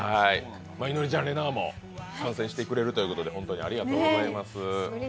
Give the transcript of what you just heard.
いのりちゃんとれなぁも参戦してくれるということでありがとうございます。